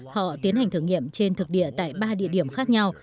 họ tiến hành thử nghiệm trên thực địa tại ba địa điểm khác nhau